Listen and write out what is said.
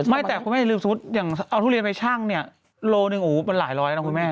ไม่แต่คุณแม่อย่าลืมสมมุติอย่างเอาทุเรียนไปชั่งเนี่ยโลหนึ่งโอ้โหมันหลายร้อยแล้วนะคุณแม่